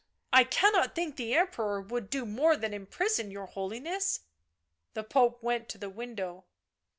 I cannot think the Emperor would do more than imprison your Holiness." The Pope went to the window.